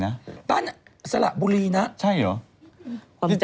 นางตอบหมดจริงจริง